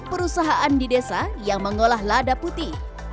perusahaan di desa yang mengolah lada putih